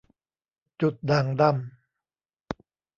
จุดด่างดำ